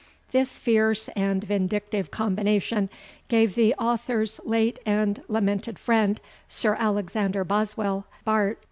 This fierce and vindictive combination gave the author's late and lamented friend, Sir Alexander Boswell, Bart.